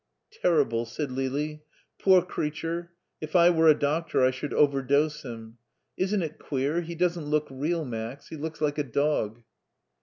"Terrible!" said Lili. "Poor creature! If I were a doctor I should overdose him. Isn't it queer, he doesn't look real, Max. He looks like a dog."